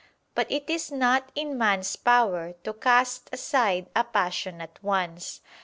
But it is not in man's power to cast aside a passion at once.